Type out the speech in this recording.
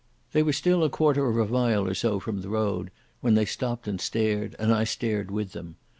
They were still a quarter of a mile or so from the road, when they stopped and stared, and I stared with them.